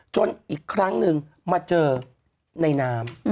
อีกครั้งหนึ่งมาเจอในน้ำ